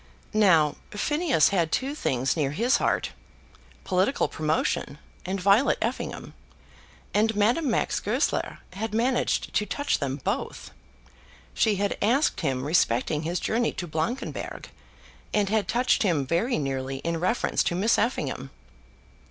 Now Phineas had two things near his heart, political promotion and Violet Effingham, and Madame Max Goesler had managed to touch them both. She had asked him respecting his journey to Blankenberg, and had touched him very nearly in reference to Miss Effingham.